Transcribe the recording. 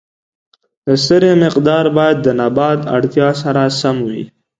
د سرې مقدار باید د نبات اړتیا سره سم وي.